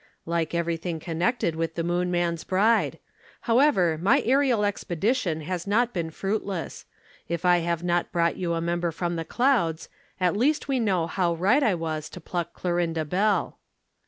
"Like everything connected with the Moon man's bride. However, my aerial expedition has not been fruitless; if I have not brought you a member from the clouds, at least we know how right I was to pluck Clorinda Bell."